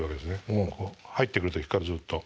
入ってくる時からずっと。